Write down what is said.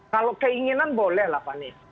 kalau keinginan boleh lah fani